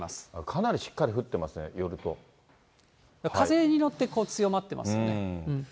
かなりしっかり降ってますね、風に乗って強まってますね。